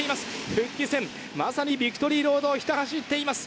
復帰戦、まさにビクトリーロードをひた走っています。